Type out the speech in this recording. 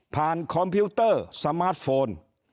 คอมพิวเตอร์สมาร์ทโฟน